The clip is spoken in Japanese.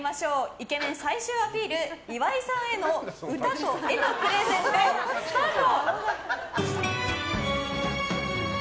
イケメン最終アピール岩井さんへの歌と絵のプレゼントスタート。